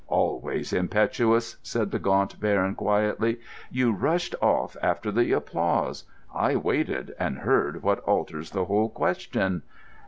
"Always impetuous!" said the Gaunt Baron quietly. "You rushed off after the applause: I waited, and heard what alters the whole question."